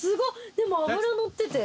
でも脂乗ってて。